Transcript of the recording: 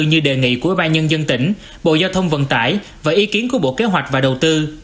như đề nghị của ủy ban nhân dân tỉnh bộ giao thông vận tải và ý kiến của bộ kế hoạch và đầu tư